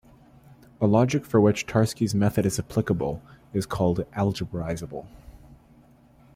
A logic for which Tarski's method is applicable, is called "algebraizable".